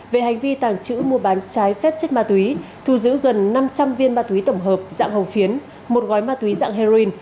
về hành vi tàng trữ mua bán trái phép chất ma túy thu giữ gần năm trăm linh viên ma túy tổng hợp dạng hồng phiến một gói ma túy dạng heroin